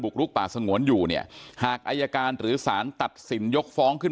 ลุกป่าสงวนอยู่เนี่ยหากอายการหรือสารตัดสินยกฟ้องขึ้น